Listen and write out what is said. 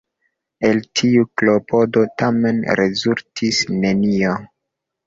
El tiu klopodo tamen rezultis nenio.